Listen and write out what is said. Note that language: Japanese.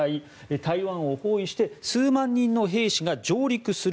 台湾を包囲して数万人の兵士が上陸する。